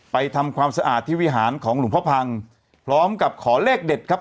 ทำความสะอาดที่วิหารของหลวงพ่อพังพร้อมกับขอเลขเด็ดครับ